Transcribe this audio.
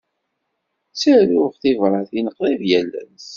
Ttaruɣ tibṛatin qrib yal ass.